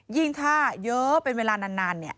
ยิ่งถ้าเยอะเป็นเวลานานเนี่ย